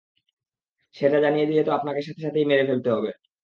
সেটা জানিয়ে দিলে তো আপনাকে সাথে-সাথেই মেরে ফেলতে হবে।